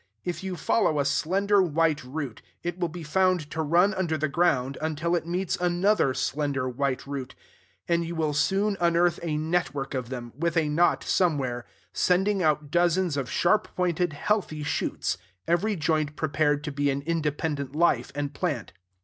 If you follow a slender white root, it will be found to run under the ground until it meets another slender white root; and you will soon unearth a network of them, with a knot somewhere, sending out dozens of sharp pointed, healthy shoots, every joint prepared to be an independent life and plant.